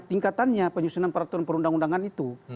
tingkatannya penyusunan peraturan perundang undangan itu